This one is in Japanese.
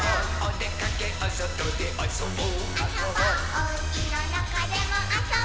「おうちのなかでもあそぼ」